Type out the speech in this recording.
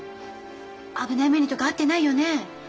危ない目にとか遭ってないよね？